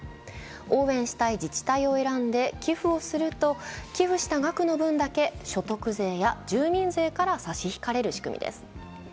応援したい自治体を選んで寄付をすると寄付した額の分だけ所得税や住民税から差し引かれる仕組みです。